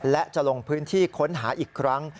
และจะลงพื้นที่ค้นหาอีกครั้ง